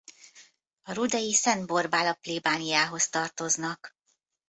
A rudei Szent Borbála plébániához tartoznak.